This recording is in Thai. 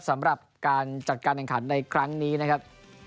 สำหรับการจัดการแข่งขันในครั้งนี้นะครับ